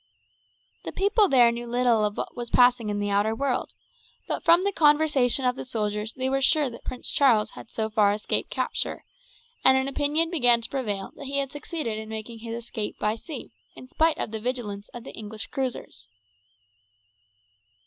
The people there knew little of what was passing in the outer world; but from the conversation of the soldiers they were sure that Prince Charles had so far escaped capture, and an opinion began to prevail that he had succeeded in making his escape by sea, in spite of the vigilance of the English cruisers.